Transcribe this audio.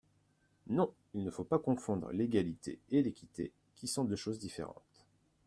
Non, il ne faut pas confondre l’égalité et l’équité, qui sont deux choses différentes.